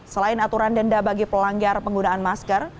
selain aturan denda bagi pelanggar penggunaan masker